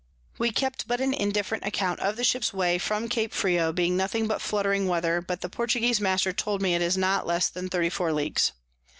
We kept but an indifferent Account of the Ship's Way from Cape Frio, being nothing but fluttering Weather; but the Portuguese Master told me it is not less than 34 Ls.